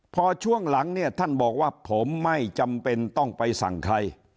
พอช่วงหลังเนี่ยท่านบอกว่าผมไม่จำเป็นต้องไปสั่งใคร